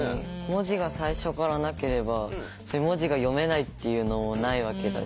文字が最初からなければ文字が読めないというのもないわけだし。